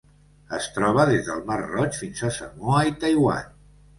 Es troba des del Mar Roig fins a Samoa i Taiwan.